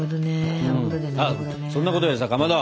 そんなことよりさかまど！